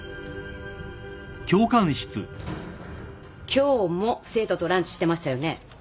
今日も生徒とランチしてましたよね。